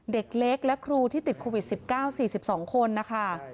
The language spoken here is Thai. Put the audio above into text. เด็กเล็กและครูที่ติดโควิด๑๙๔๒คนนะคะ